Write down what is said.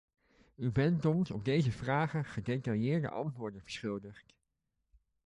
U bent ons op deze vragen gedetailleerde antwoorden verschuldigd.